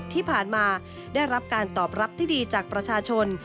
ที่ผ่านมาได้รับการตอบรับที่ดีจากประชาชน